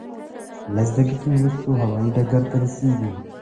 لس دقیقې وروسته هوایي ډګر ته رسېږو.